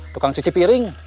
tukang cuci piring